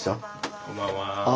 こんばんは。